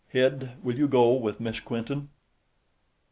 Hid, will you go with Miss Quinton?" II.